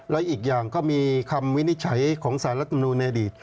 และอีกอย่างก็มีคำวินิจฉัยของสารรัฐมนูลในอดีต